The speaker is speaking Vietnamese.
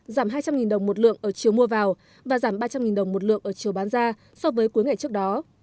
giảm hai trăm linh đồng một lượng ở chiều mua vào và giảm ba trăm linh đồng một lượng ở chiều bán ra so với cuối ngày trước đó